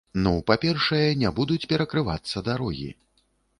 Ну, па-першае, не будуць перакрывацца дарогі.